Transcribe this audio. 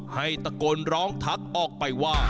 ให้ตะโกนร้องทักออกไปว่า